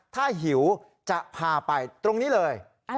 ถ้าหิวจะพาไปตรงนี้เลย